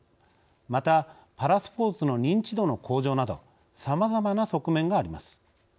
また、パラスポーツの認知度の向上などさまざまな側面があります。